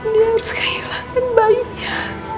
dia harus kehilangan bayinya